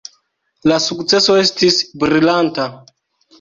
La sukceso estis brilanta.